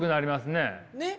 ねっ。